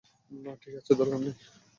না, ঠিক আছে, দরকার নেই।